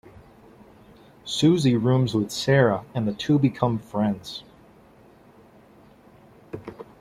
Suzy rooms with Sara, and the two become friends.